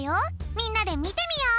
みんなでみてみよう！